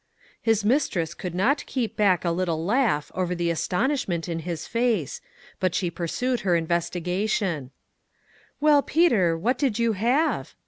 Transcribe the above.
His mistress could not keep back a little laugh over the astonishment in his face, but she pursued her investigation : "Well, Peter, what did you have?"